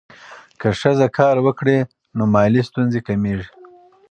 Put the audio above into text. که ښځه کار وکړي، نو مالي ستونزې کمېږي.